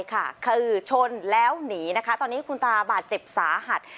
คือชนแล้วหนีนะคะตอนนี้คุณตาบาดเจ็บสาหัส